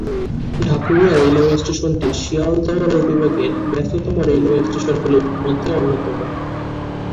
Dhakuria railway স্টেশনটি Sealdah rail বিভাগের ব্যস্ততম রেলওয়ে স্টেশনগুলির মধ্যে অন্যতম।